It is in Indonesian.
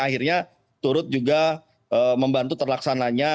akhirnya turut juga membantu terlaksananya